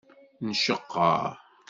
Nceqqer.